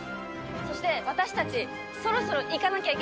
そして私たちそろそろ行かなきゃいけない時間なんです。